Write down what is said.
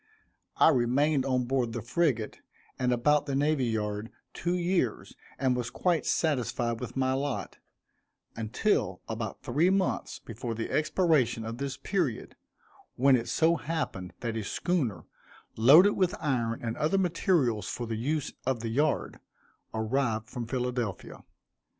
I remained on board the frigate, and about the Navy Yard, two years, and was quite satisfied with my lot, until about three months before the expiration of this period, when it so happened that a schooner, loaded with iron and other materials for the use of the yard, arrived from Philadelphia.